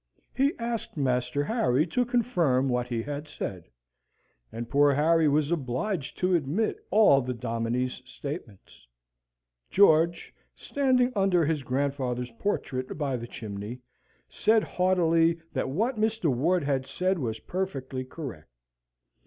He asked Master Harry to confirm what he had said: and poor Harry was obliged to admit all the dominie's statements. George, standing under his grandfather's portrait by the chimney, said haughtily that what Mr. Ward had said was perfectly correct.